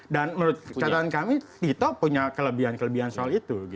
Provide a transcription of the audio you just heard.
menurut catatan kami tito punya kelebihan kelebihan soal itu